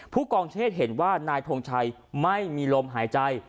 ผู้กองเชษเห็นว่านายทงชัยไม่มีลมหายใจ